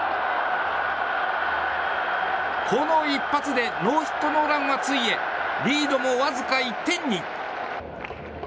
この一発でノーヒットノーランが潰えリードもわずか１点に。